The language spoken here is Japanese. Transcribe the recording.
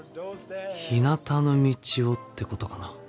「ひなたの道を」ってことかな。